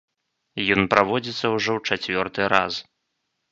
Ён праводзіцца ўжо ў чацвёрты раз.